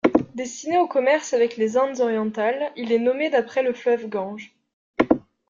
Destiné au commerce avec les Indes orientales, il est nommé d'après le fleuve Gange.